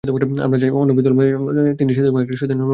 আমরা চাই অনতিবিলম্বে সেতুটি ভেঙে নতুন একটি সেতু নির্মাণ করা হোক।